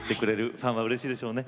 ファンはうれしいでしょうね。